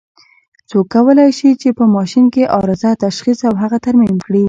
څوک کولای شي چې په ماشین کې عارضه تشخیص او هغه ترمیم کړي؟